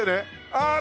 あっ！